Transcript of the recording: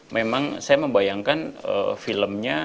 memang saya membayangkan filmnya